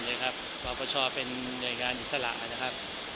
เราพอช่อเป็นเรย์งานอิสระครับ